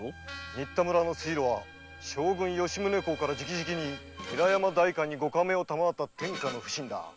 新田村の水路は将軍・吉宗公から直々に韮山代官にご下命を賜った天下の普請だ。